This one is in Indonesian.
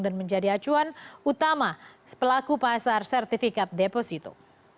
dan menjadi acuan utama pelaku pasar sertifikat deposito